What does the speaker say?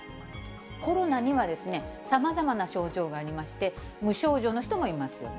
コロナにはですね、さまざまな症状がありまして、無症状の人もいますよね。